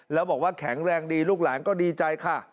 แล้วบอกว่าแข็งแรงดีลูกหลานก็ดีใจค่ะ